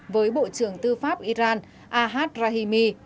với bộ trưởng tư pháp iran ahad rahimi